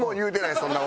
そんな事。